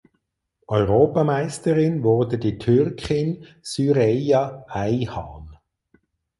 Europameisterin wurde die Türkin Süreyya Ayhan.